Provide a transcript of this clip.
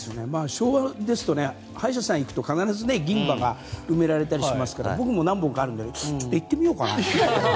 昭和ですと歯医者さんに行くと必ず銀歯が埋められたりしましたが僕も何本かあるのでちょっと行ってみようかな。